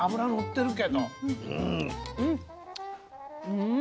うん。